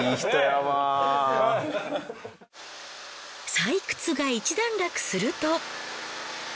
採掘が一段落すると。